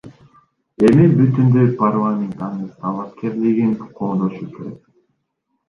Эми бүтүндөй парламент анын талапкерлигин колдошу керек.